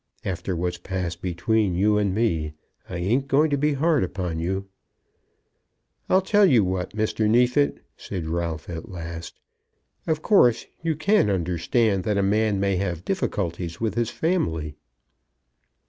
After what's passed between you and me I ain't going to be hard upon you." "I'll tell you what, Mr. Neefit," said Ralph at last, "of course you can understand that a man may have difficulties with his family."